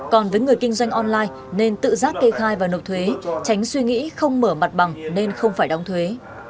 còn với người kinh doanh online nên tự giác kê khai và nộp thuế tránh suy nghĩ không mở mặt bằng nên không phải đóng thuế